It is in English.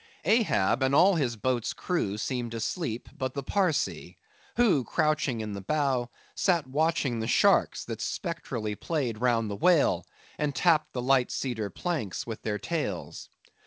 Ahab and all his boat's crew seemed asleep but the Parsee; who crouching in the bow, sat watching the sharks, that spectrally played round the whale, and tapped the light cedar planks with their tails.